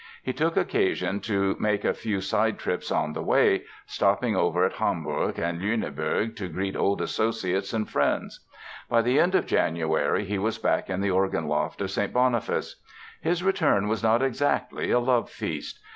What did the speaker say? He took occasion to make a few side trips on the way, stopping over at Hamburg and Lüneburg to greet old associates and friends. By the end of January he was back in the organ loft of St. Boniface. His return was not exactly a love feast.